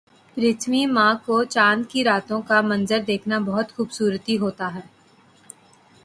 پرتھویں ماہ کو چاند کی راتوں کا منظر دیکھنا بہت خوبصورتی ہوتا ہے